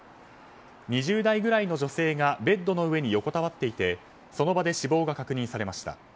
２０代くらいの女性がベッドの上に横たわっていてその場で死亡が確認されました。